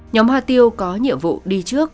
nhóm hoa tiêu có nhiệm vụ đi trước